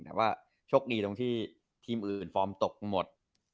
แต่ว่าโชคดีตรงที่ทีมอื่นฟอร์มตกหมด